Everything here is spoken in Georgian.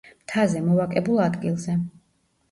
მთაზე, მოვაკებულ ადგილზე.